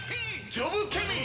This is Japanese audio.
「ジョブケミー！」